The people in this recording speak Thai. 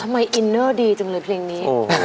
ทำไมอินเนอร์ดีจริงเลยเพลงนี้